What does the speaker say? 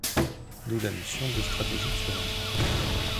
D'où la notion de stratégie de survie.